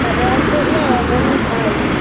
দলে ফিরে আবারও ব্যর্থ হন।